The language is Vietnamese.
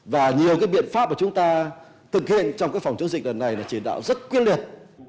và nhiều cái biện pháp mà chúng ta thực hiện trong các phòng chứng dịch lần này là chỉ đạo rất quyên liệt